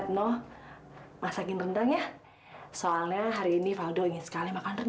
tanya udah mulai setuju nih kalau nona berhubungan sama nara